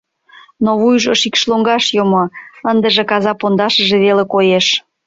Но вуйжо шикш лоҥгаш йомо, ындыже каза пондашыже веле коеш.